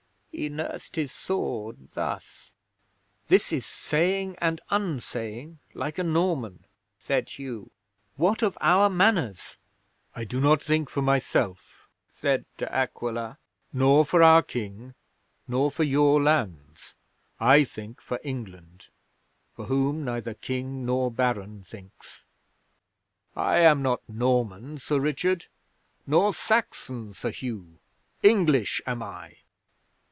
He nursed his sword thus. '"This is saying and unsaying like a Norman," said Hugh. "What of our Manors?" '"I do not think for myself," said De Aquila, "nor for our King, nor for your lands. I think for England, for whom neither King nor Baron thinks. I am not Norman, Sir Richard, nor Saxon, Sir Hugh. English am I."